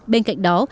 bên cạnh đó